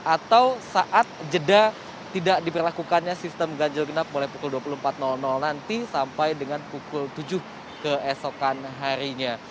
atau saat jeda tidak diperlakukannya sistem ganjil genap mulai pukul dua puluh empat nanti sampai dengan pukul tujuh keesokan harinya